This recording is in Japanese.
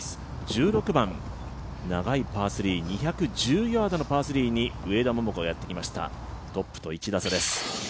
１６番、長いパー３２１０ヤードのパー３に上田桃子がやってきました、トップと１打差です。